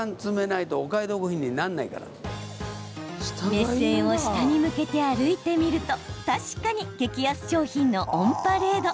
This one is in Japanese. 目線を下に向けて歩いてみると確かに激安商品のオンパレード。